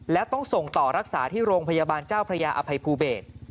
และต้องส่งต่อรักษาที่โรงพยาบาลเจ้าพระยาอภัยภูเบศ